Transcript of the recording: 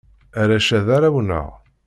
Arrac-a, d arraw-nneɣ.